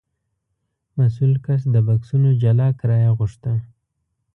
مسوول کس د بکسونو جلا کرایه غوښته.